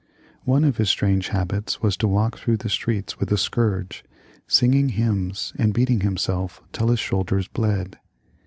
One of his strange habits was to walk through the streets with a scourge, singing hymns and beating himself till his shoulders bled.